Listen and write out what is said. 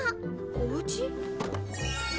おうち？